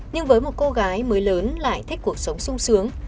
nhưng với một cô gái mới lớn lại thích cuộc sống sung sướng